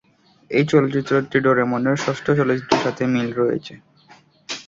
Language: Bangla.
এই চলচ্চিত্রটি ডোরেমনের ষষ্ঠ চলচ্চিত্রের সাথে মিল রয়েছে।